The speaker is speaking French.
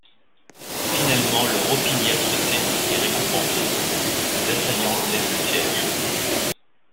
Finalement leur opiniâtreté est récompensée, les assaillants lèvent le siège.